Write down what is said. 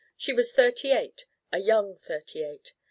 She was thirty eight a young thirty eight.